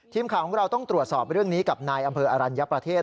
ทีมข่าวของเราต้องตรวจสอบเรื่องนี้กับนายอำเภออรัญญประเทศ